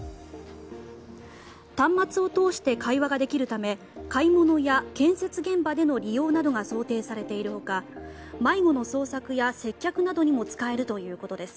端末を通して会話ができるため買い物や建設現場での利用などが想定されている他迷子の捜索や接客などにも使えるということです。